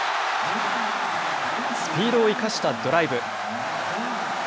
スピードを生かしたドライブ。